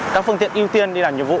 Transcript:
các phương tiện ưu tiên đi làm nhiệm vụ